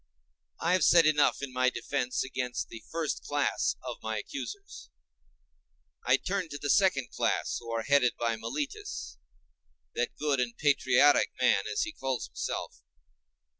I have said enough in my defence against the first class of my accusers; I turn to the second class, who are headed by Meletus, that good and patriotic man, as he calls himself.